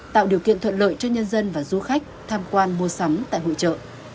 tạo điều kiện thuận lợi cho nhân dân và du khách tham quan mua sắm tại hội trợ